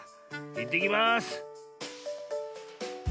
いってきます。